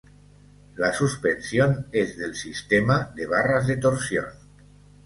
La suspensión es del sistema de barras de torsión.